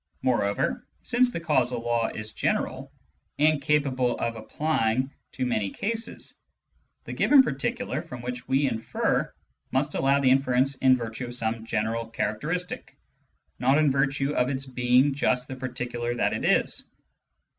Moreover, since the causal law is general^ and capable of applying to many cases, the given particular from which we infer must allow the inference in virtue of some general characteristic, not in virtue of its being just the particular that it is.